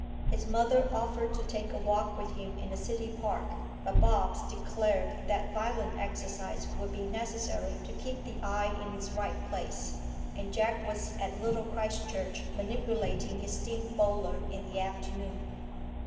His mother offered to take a walk with him in the city park; but Bobbs declared that violent exercise would be necessary to keep the eye in its right place, and Jack was at Little Christchurch manipulating his steam bowler in the afternoon.